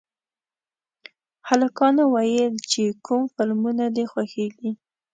هلکانو ویل چې کوم فلمونه دي خوښېږي